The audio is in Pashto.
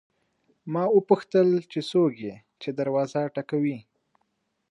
ما وپوښتل چې څوک یې چې دروازه ټکوي.